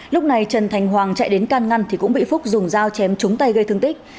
lúc này trần thành hoàng chạy đến can ngăn thì cũng bị phúc dùng dao chém trúng tay gây thương tích